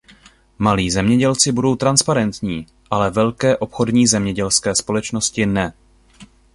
Malí zemědělci budou transparentní, ale velké obchodní zemědělské společnosti ne.